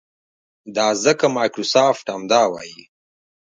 دا ځکه مایکروسافټ همدا وايي.